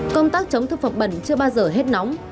công tác chống thực phẩm bẩn chưa bao giờ hết nóng